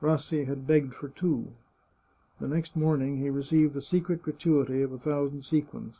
Rassi had begged for two. The next morning he re ceived a secret gratuity of a thousand sequins.